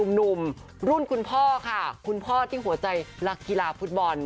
หนุ่มรุ่นคุณพ่อค่ะคุณพ่อที่หัวใจรักกีฬาฟุตบอล